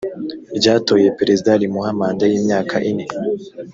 ryatoye perezida rimuha manda y imyaka ine